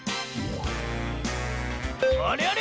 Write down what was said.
あれあれ？